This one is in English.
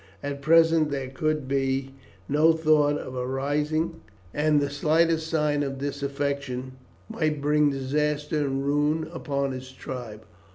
At present there could be no thought of a rising, and the slightest sign of disaffection might bring disaster and ruin upon his tribe.